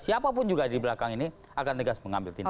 siapapun juga di belakang ini akan tegas mengambil tindakan